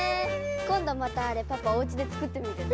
こんどまたあれパパおうちでつくってみるね。